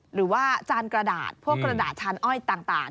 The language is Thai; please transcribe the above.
หรือว่าจานกระดาษพวกกระดาษชานอ้อยต่าง